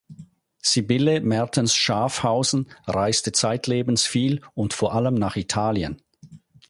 Sibylle Mertens-Schaaffhausen reiste zeitlebens viel und vor allem nach Italien.